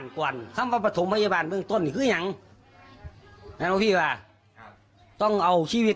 ศเด